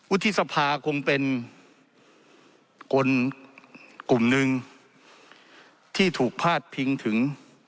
วุฒิสภาคงเป็นคนกลุ่มหนึ่งที่ถูกพาดพิงถึง